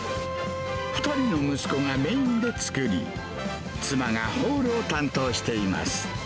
２人の息子がメインで作り、妻がホールを担当しています。